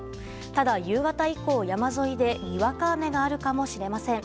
ただ夕方以降、山沿いでにわか雨があるかもしれません。